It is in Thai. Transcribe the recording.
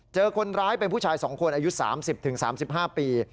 เจอคนร้ายเป็นผู้ชาย๒คนอายุ๓๐๓๕ปี